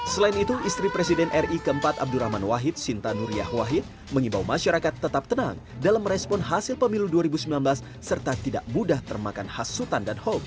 selain itu istri presiden ri keempat abdurrahman wahid sinta nuriyah wahid mengimbau masyarakat tetap tenang dalam merespon hasil pemilu dua ribu sembilan belas serta tidak mudah termakan hasutan dan hoax